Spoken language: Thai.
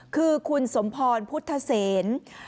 คือคุณสมพรพุทธเซน